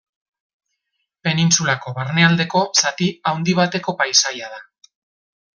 Penintsulako barnealdeko zati handi bateko paisaia da.